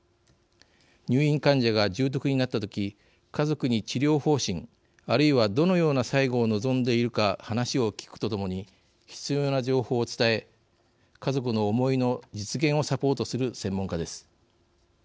入院患者が重篤になった時家族に治療方針、あるいはどのような最期を望んでいるか話を聞くとともに必要な情報を伝え家族の思いの実現をサポートする専門家です。